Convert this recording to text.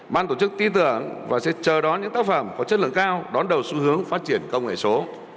ban tổ chức tin tưởng và sẽ chờ đón những tác phẩm có chất lượng cao đón đầu xu hướng phát triển công nghệ số